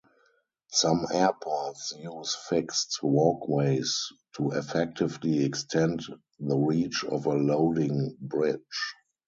Some airports use fixed walkways to effectively extend the reach of a loading bridge.